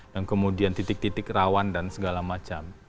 dan kemudian titik titik rawan dan segala macam